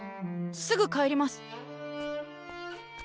すぐ帰ります！